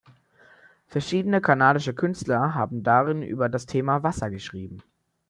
Verschiedene kanadische Künstler haben darin über das Thema "Wasser" geschrieben.